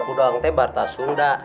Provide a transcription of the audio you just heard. hudang teh barta suda